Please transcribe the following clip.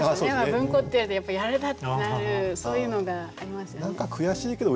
「文庫」っていわれたらやっぱ「やられた！」ってなるそういうのがありますよね。